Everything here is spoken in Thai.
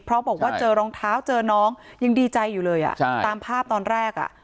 เพราะบอกว่าเจอรองเท้าเจอน้องยังดีใจอยู่เลยอ่ะใช่ตามภาพตอนแรกอ่ะ